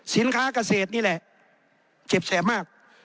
สินค้าเกษตรนี่แหละเจ็บแสบมาก